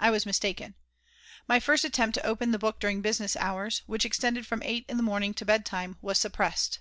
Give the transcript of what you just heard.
I was mistaken. My first attempt to open the book during business hours, which extended from 8 in the morning to bedtime, was suppressed.